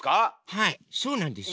⁉はいそうなんですよ。